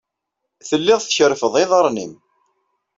Telliḍ tkerrfeḍ iḍarren-nnem.